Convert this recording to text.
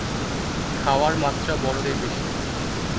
খাওয়ার মাত্রা বড়দের বেশি।